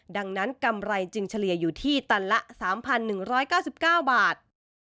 ดังนั้นกำไรจึงเฉลี่ยอยู่ที่ตันละ๓๑๙๙บาท